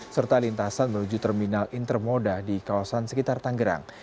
serta lintasan menuju terminal intermoda di kawasan sekitar tanggerang